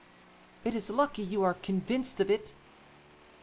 "It is lucky you are convinced of it."